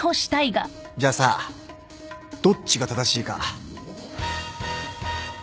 じゃあさどっちが正しいか賭けてみる？